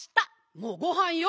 もうごはんよ。